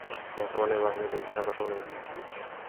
বর্তমানে এই বাহিনী তিনটি শাখার সমন্বয়ে গঠিত।